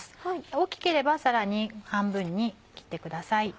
大きければさらに半分に切ってください。